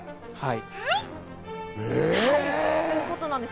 はい！ということなんです。